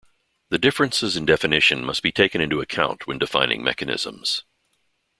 These differences in definition must be taken into account when defining mechanisms.